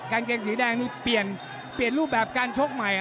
กางเกงสีแดงนี่เปลี่ยนเปลี่ยนรูปแบบการโชคใหม่